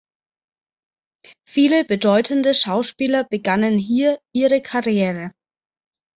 Viele bedeutende Schauspieler begannen hier ihre Karriere.